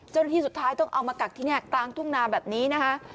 เจ้าหน้าที่สุดท้ายต้องเอามากักที่นี่ต่างทุ่งนามแบบนี้นะคะ